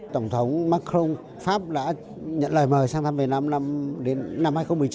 tổng thống macron pháp đã nhận lời mời sang thăm về năm hai nghìn một mươi chín